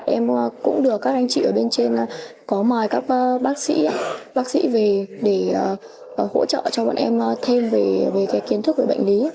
em cũng được các anh chị ở bên trên có mời các bác sĩ về để hỗ trợ cho bọn em thêm về kiến thức về bệnh lý